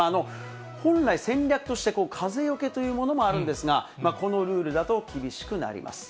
本来、戦略として風よけというものもあるんですが、このルールだと、厳しくなります。